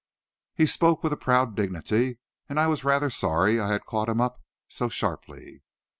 He spoke with a proud dignity, and I was rather sorry I had caught him up so sharply.